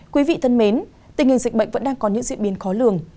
quý vị thân mến tình hình dịch bệnh vẫn đang có những diễn biến khó lường